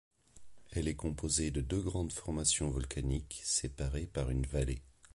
Elle est composée de deux grandes formations volcaniques séparées par une vallée.